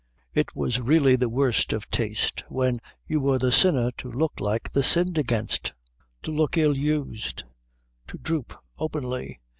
It was really the worst of taste when you were the sinner to look like the sinned against; to look ill used; to droop openly.